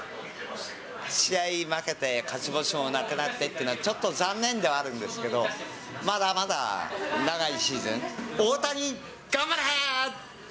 試合に負けて、勝ち星もなくなってっていうのは、ちょっと残念ではあるんですけど、まだまだ長いシーズン、大谷、頑張れー！